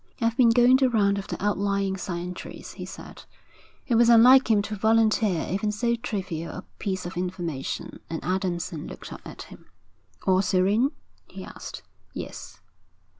'I've been going the round of the outlying sentries,' he said. It was unlike him to volunteer even so trivial a piece of information, and Adamson looked up at him. 'All serene?' he asked. 'Yes.'